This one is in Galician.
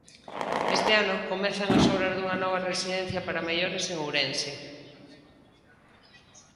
Este ano comezan as obras dunha nova residencia para maiores en Ourense.